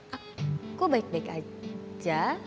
aku baik baik aja